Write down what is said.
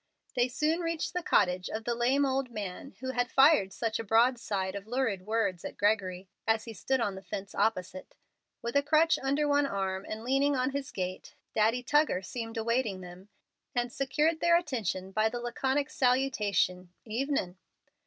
They soon reached the cottage of the lame old man who had fired such a broadside of lurid words at Gregory, as he stood on the fence opposite. With a crutch under one arm and leaning on his gate, Daddy Tuggar seemed awaiting them, and secured their attention by the laconic salutation, "Evenin'!"